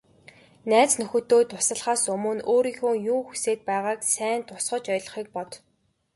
Найз нөхдөдөө туслахаасаа өмнө өөрийнхөө юу хүсээд байгааг сайн тусгаж ойлгохыг бод.